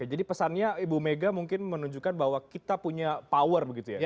jadi pesannya ibu mega mungkin menunjukkan bahwa kita punya power begitu ya